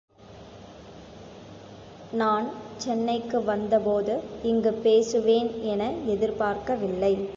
நான் சென்னைக்கு வந்தபோது இங்குப் பேசுவேன் என எதிர்பார்க்கவில்லை.